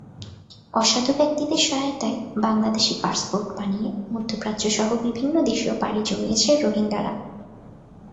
অসাধু ব্যক্তিদের সহায়তায় বাংলাদেশি পাসপোর্ট বানিয়ে মধ্যপ্রাচ্যসহ বিভিন্ন দেশেও পাড়ি জমিয়েছে রোহিঙ্গারা।